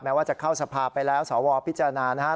ว่าจะเข้าสภาไปแล้วสวพิจารณานะครับ